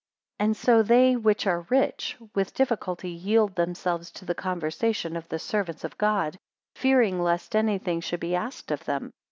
189 And so they which are rich, with difficulty yield themselves to the conversation of the servants of God; fearing lest any thing should be asked of them.